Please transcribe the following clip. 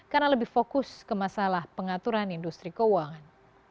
karena lebih fokus ke masalah pengaturan industri keuangan